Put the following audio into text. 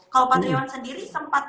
kalau pak triawan sendiri sempat